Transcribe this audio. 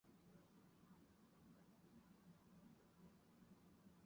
阿姆斯特丹新西区是荷兰阿姆斯特丹的一个行政区划。